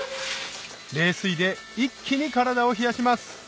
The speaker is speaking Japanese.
冷水で一気に体を冷やします